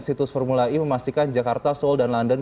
situs formula e memastikan jakarta seoul dan london